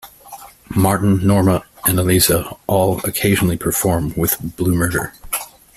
Martin, Norma and Eliza all occasionally perform with Blue Murder.